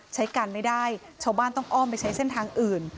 ใช้กันไม่ได้ชาวบ้านต้องอ้อมไปใช้เส้นทางอื่น